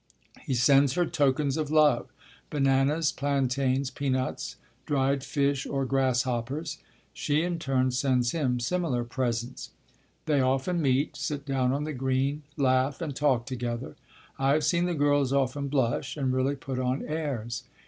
He sends her tokens of love, bananas, plantains, peanuts, dried fish or grasshoppers. She in turn sends him similar presents. They often meet, sit down on the green, laugh and talk together. I have seen the girls often blush and really put on airs.